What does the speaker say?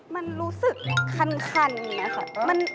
มันรู้สึกคันอยู่ไหมคะ